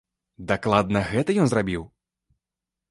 Дакладна гэта ён зрабіў?